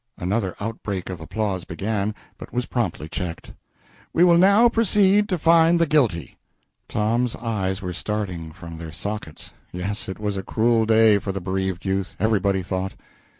[Another outbreak of applause began, but was promptly checked.] We will now proceed to find the guilty. [Tom's eyes were starting from their sockets yes, it was a cruel day for the bereaved youth, everybody thought.